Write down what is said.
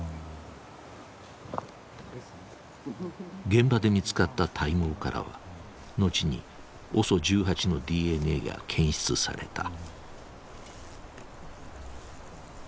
現場で見つかった体毛からは後にＯＳＯ１８のＤＮＡが検出された。